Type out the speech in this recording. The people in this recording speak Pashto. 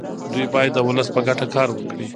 دوی باید د ولس په ګټه کار وکړي.